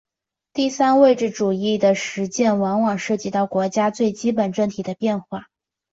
第三位置主义的实践往往涉及到国家最基本政体的变化。